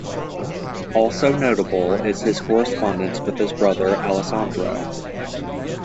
Also notable is his correspondence with his brother Alessandro.